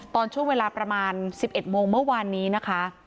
ตอนช่วงเวลาประมาณ๑๑โมงเมื่อวานนี้นะคะ